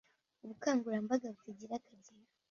ubukangurambaga butagira akagero